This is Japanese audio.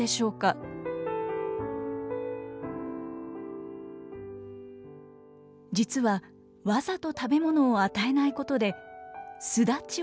実はわざと食べ物を与えないことで巣立ちを促しているのです。